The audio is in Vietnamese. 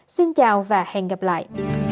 xin chào và hẹn gặp lại